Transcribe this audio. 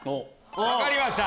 分かりました。